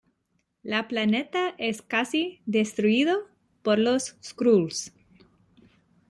El planeta es casi destruido por los Skrulls.